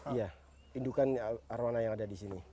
iya indukan arowana yang ada di sini